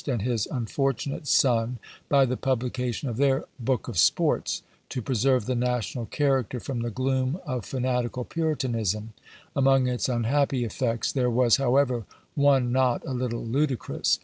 and his unfortunate son, by the publication of their "Book of Sports," to preserve the national character from the gloom of fanatical puritanism; among its unhappy effects there was however one not a little ludicrous.